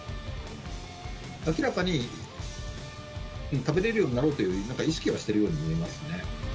明らかに、食べれるようになろうという意識はしているように見えますね。